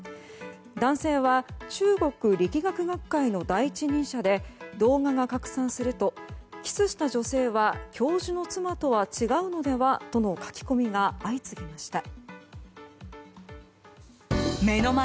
男性は中国力学学会の第一人者で動画が拡散するとキスした女性は教授の妻とは違うのではとの書き込みが相次ぎました。